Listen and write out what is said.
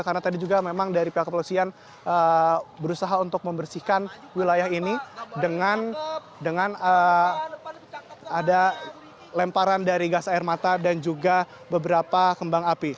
karena tadi juga memang dari pihak kepolisian berusaha untuk membersihkan wilayah ini dengan ada lemparan dari gas air mata dan juga beberapa kembang api